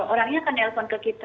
orangnya akan nelfon ke kita